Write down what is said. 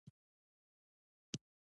بس څه وخت راځي؟